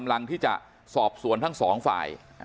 ลังที่จะสอบส่วนทั้ง๒ฝ่าย